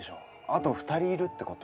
あと２人いるって事？